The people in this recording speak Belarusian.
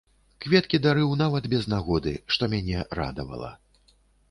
Кветкі дарыў нават без нагоды, што мяне радавала.